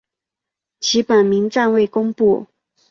其本名暂未公布。